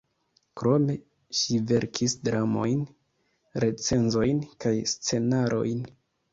Krome ŝi verkis dramojn, recenzojn kaj scenarojn.